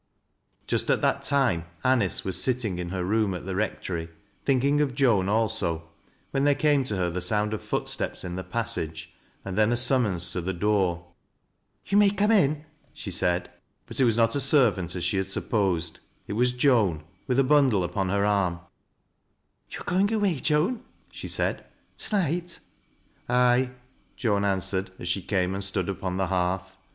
Just at that time Anice was sitting in her room at the rectory, thinking of Joan also, when there came to her the sound of footsteps in the passage and then a summona tc the door. " You may come in," she said. OOINO SOUTH. 261 Bat it was not a servant, as she had supposed ; it was J'lan, with a bundle upon her arm. " You arc going away, Joan ?" she said. " To night ?" "Ay," Joan answered, as she came and stood upon the lu; arth.